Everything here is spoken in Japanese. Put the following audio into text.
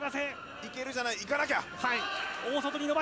行けるじゃない、行かなきゃ！